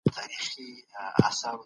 هغه وويل چي مرسته کول ښه دي.